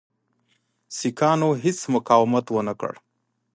سیکهانو هیڅ مقاومت ونه کړ.